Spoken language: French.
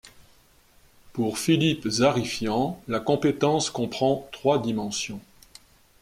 Pour Philippe Zarifian, la compétence comprend trois dimensions.